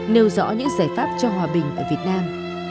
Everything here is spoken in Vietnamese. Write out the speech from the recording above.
nêu rõ những giải pháp cho hòa bình ở việt nam